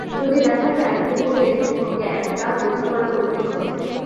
যদি দেখা হয় কুমুদের সঙ্গে একটা বোঝাপড়া করিতে হবে।